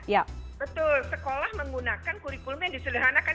ya betul sekolah menggunakan kurikulum yang disederhanakan